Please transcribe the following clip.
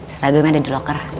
seragamnya ada di loker